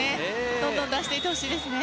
どんどん出していってほしいですね。